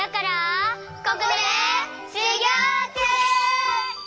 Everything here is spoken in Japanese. ここでしゅぎょうちゅう！